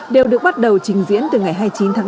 đều được bắt đầu trình diễn từ ngày hai mươi chín tháng tám